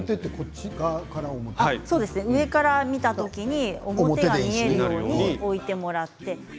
上から見た時に表が見えるように置いてください。